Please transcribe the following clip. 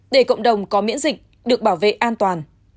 để cộng đồng có miễn dịch được bảo vệ an toàn